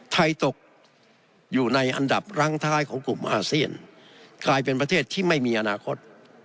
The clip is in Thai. ตกอยู่ในอันดับรั้งท้ายของกลุ่มอาเซียนกลายเป็นประเทศที่ไม่มีอนาคต